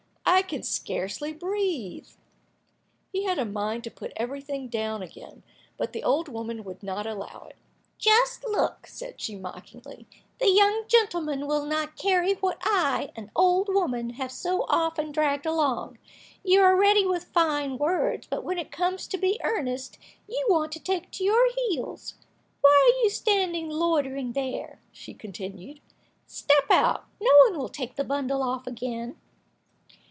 I can scarcely breathe." He had a mind to put everything down again, but the old woman would not allow it. "Just look," said she mockingly, "the young gentleman will not carry what I, an old woman, have so often dragged along. You are ready with fine words, but when it comes to be earnest, you want to take to your heels. Why are you standing loitering there?" she continued. "Step out. No one will take the bundle off again."